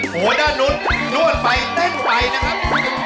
หัวหน้านู้นนวดไปเต้นไปนะครับ